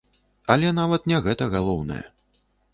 Але нават не гэта галоўнае.